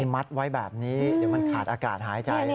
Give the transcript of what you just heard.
มัดไว้แบบนี้เดี๋ยวมันขาดอากาศหายใจ